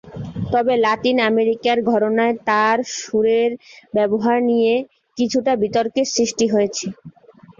তবে, লাতিন আমেরিকার ঘরানায় তার সুরের ব্যবহার নিয়ে কিছুটা বিতর্কের সৃষ্টি হয়েছে।